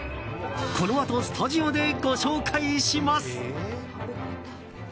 このあとスタジオでご紹介します。